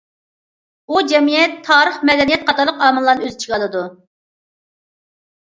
ئۇ جەمئىيەت، تارىخ، مەدەنىيەت قاتارلىق ئامىللارنى ئۆز ئىچىگە ئالىدۇ.